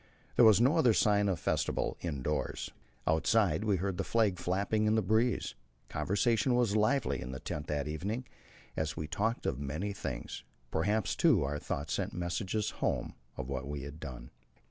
There was no other sign of festival indoors. Outside we heard the flag flapping in the breeze. Conversation was lively in the tent that evening, and we talked of many things. Perhaps, too, our thoughts sent messages home of what we had done.